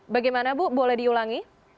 bagaimana bu boleh diulangi